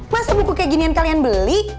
masa buku kayak gini yang kalian beli